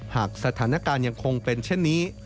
หากสถานการณ์ยังคงเป็นเช่นนี้